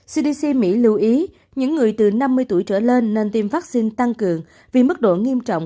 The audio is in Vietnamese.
cdc mỹ lưu ý những người từ năm mươi tuổi trở lên nên tiêm vaccine tăng cường vì mức độ nghiêm trọng